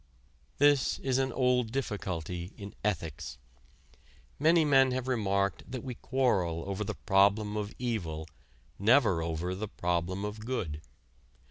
This is an old difficulty in ethics. Many men have remarked that we quarrel over the "problem of evil," never over the "problem of good."